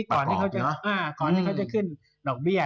ก่อนเขาจะขึ้นดอกเบี้ย